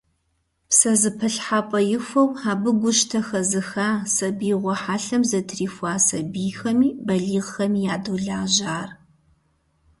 ПсэзэпылъхьэпӀэ ихуэу, абы гущтэ хэзыха, сабиигъуэ хьэлъэм зэтрихуа сабийхэми балигъхэми ядолажьэ ар.